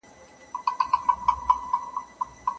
په جرګه کي "د ډبري ایښودل" د اوربند مانا لري.